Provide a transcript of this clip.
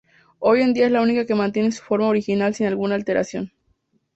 Hoy en día es la única que mantiene su forma original sin alguna alteración.